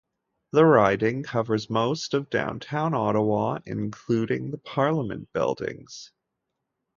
The riding covers most of downtown Ottawa, including the Parliament Buildings.